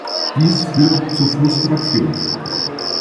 Dies führt zu Frustration.